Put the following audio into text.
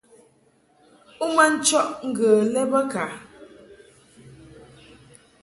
U ma nchɔʼ ŋgə lɛ bə ka ?